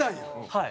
はい。